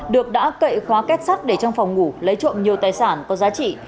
được đã cậy khóa kết sắt để trong phòng ngủ lấy trộm nhiều tài sản có giá trị